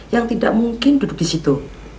yang tidak mungkin duduk disitu